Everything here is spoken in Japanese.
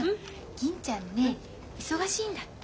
銀ちゃんね忙しいんだって。